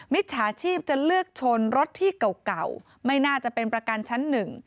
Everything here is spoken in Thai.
มิจฉาชีพจะเลือกชนรถที่เก่าไม่น่าจะเป็นประกันชั้นหนึ่ง